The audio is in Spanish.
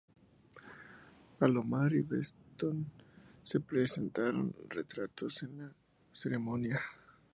Alomar y Beeston se presentaron retratos en la ceremonia.